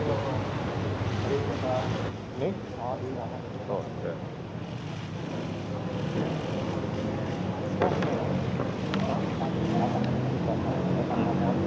oh ini di bawah ini kasih siapa nanti